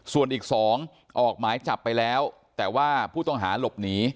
ส่วนอีก๒ออกหมายจับไปแล้วแต่ว่าผู้ต้องหาหลบหนี